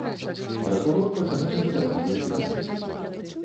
Пракурор пачынае задаваць ёй пытанні.